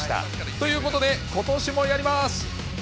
ということで、ことしもやります。